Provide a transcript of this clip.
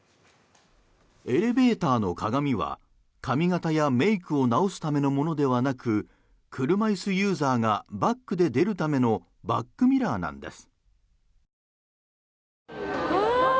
エレベーターの鏡は髪形やメイクを直すためのものではなく車椅子ユーザーがバックで出るためのバックミラーなんです。